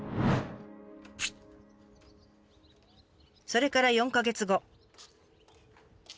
それから４か月後。